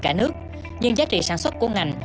cả nước nhưng giá trị sản xuất của ngành